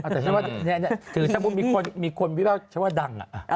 แต่ฉันว่าถือถ้าพูดมีคนมีคนพี่บ้าวฉันว่าดังอ่ะ